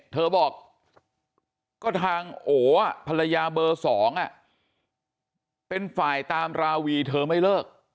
เธอบอกก็ทางโอภรรยาเบอร์๒เป็นฝ่ายตามราวีเธอไม่เลิก